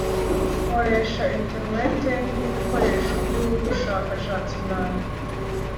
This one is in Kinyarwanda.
[nkoresha interineti nkibikoresho byubushakashatsi bwanjye.